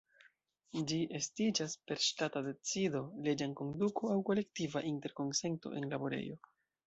Ĝi estiĝas per ŝtata decido, leĝa enkonduko aŭ kolektiva interkonsento en laborejo.